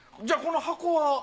じゃあこの箱は？